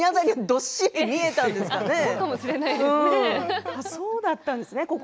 心の中はそうだったんですね。